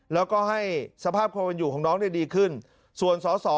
แล้วก็ให้สภาพความเป็นอยู่ของน้องเนี่ยดีขึ้นส่วนสอสอ